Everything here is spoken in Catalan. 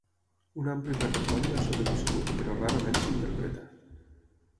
Un ampli repertori ha sobreviscut, però rarament s’interpreta.